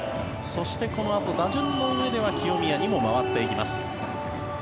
そしてこのあと、打順の上では清宮にも回っていきます。